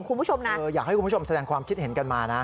คุณผู้ชมนะอยากให้คุณผู้ชมแสดงความคิดเห็นกันมานะ